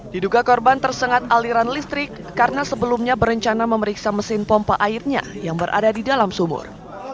diduga korban tersengat aliran listrik karena sebelumnya berencana memeriksa mesin pompa airnya yang berada di dalam sumur